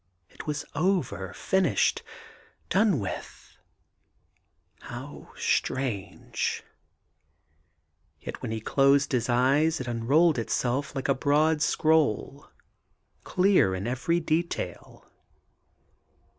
It was overl ..• finished I ... done with I ..• How strange I ... Yet when he closed his eyes it unrolled itself like a broad scroll, clear in every detail.